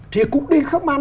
thì cũng đinh khắc man